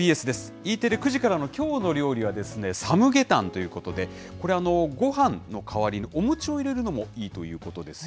Ｅテレ９時からのきょうの料理は、サムゲタンということで、これ、ごはんの代わりにお餅を入れるのもいいということですよ。